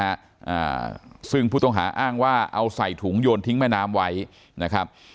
อ่าซึ่งผู้ต้องหาอ้างว่าเอาใส่ถุงโยนทิ้งแม่น้ำไว้นะครับ